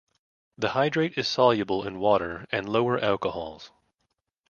The hydrate is soluble in water and lower alcohols.